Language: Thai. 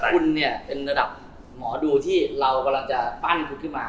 คุณเนี่ยเป็นระดับหมอดูที่เรากำลังจะปั้นคุณขึ้นมา